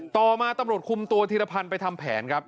ต่อมาตำรวจคุมตัวธีรพันธ์ไปทำแผนครับ